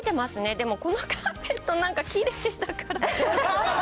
でも、このカーペット、なんかきれいだから。